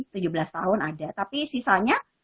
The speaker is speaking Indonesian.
tujuh belas tahun ada tapi sisanya